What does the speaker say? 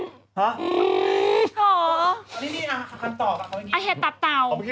อันนี้มีอันต่อคำตอบ